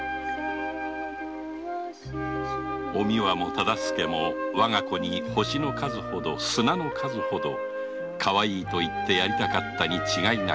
おみわも忠相もわが子に星の数ほど砂の数ほどかわいいと言ってやりたかったに違いない